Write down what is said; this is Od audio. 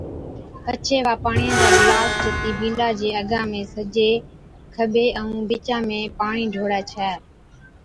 پڇي وا پاڻِيئا چا گلاس چتِي بِينڏا چي اگا ۾ سجي، کٻي ائُون بِچا ۾ پاڻِي ڍوڙي ڇَي